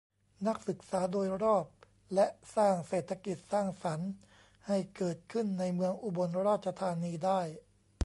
นักศึกษาโดยรอบ และ สร้างเศรษฐกิจสร้างสรรค์ให้เกิดขึ้นในเมืองอุบลราชธานีได้